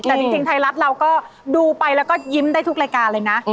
แต่จริงไทยรัฐเราก็ดูไปแล้วก็ยิ้มได้ทุกรายการเลยนะ